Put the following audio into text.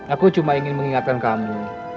aku cuma ingin mengingatkan kamu